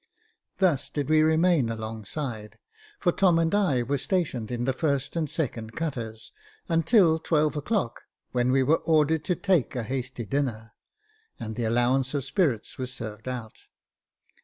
Thus did we remain alongside, for Tom and I were stationed in the first and second cutters, until twelve o'clock, when we were ordered out to take a hasty dinner, and the allowance of spirits was served out.